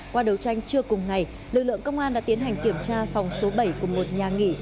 qua đấu tranh trưa cùng ngày lực lượng công an đã tiến hành kiểm tra phòng số bảy của một nhà nghỉ